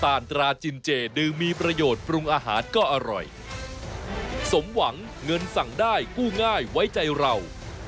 ทุวิทย์ตีสากหน้า